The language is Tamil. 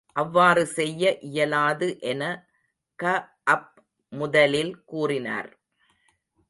அவ்வாறு செய்ய இயலாது என கஅப் முதலில் கூறினார்.